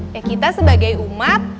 ya kita sebagai umat